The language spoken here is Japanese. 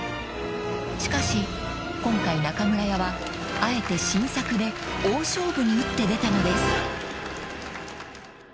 ［しかし今回中村屋はあえて新作で大勝負に打って出たのです］